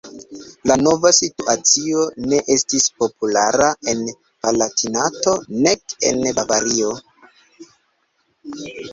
La nova situacio ne estis populara en Palatinato, nek en Bavario.